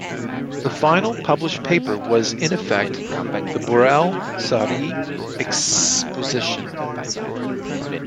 The final published paper was in effect the Borel-Serre exposition.